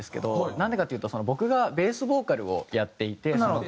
なんでかっていうと僕がベースボーカルをやっていてその時。